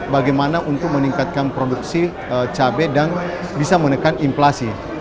bagaimana untuk meningkatkan produksi cabai dan bisa menekan inflasi